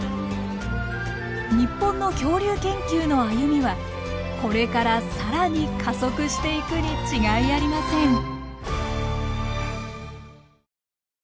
日本の恐竜研究の歩みはこれから更に加速していくに違いありません。